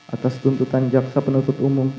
atas tuntutan jaksa penuntut umum